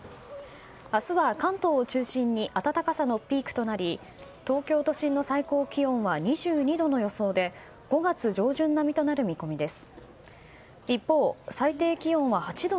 明日は、関東を中心に暖かさのピークとなり東京都心の最高気温は２２度の予想で５月上旬並みとなる見込みです。